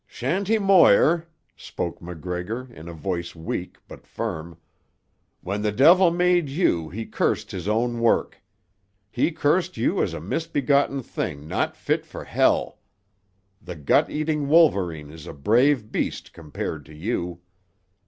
"Shanty Moir," spoke MacGregor in a voice weak but firm, "when the devil made you he cursed his own work. He cursed you as a misbegotten thing not fit for hell. The gut eating wolverine is a brave beast compared to you.